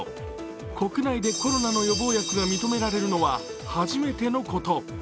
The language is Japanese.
国内でコロナの予防薬が認められるのは初めてのこと。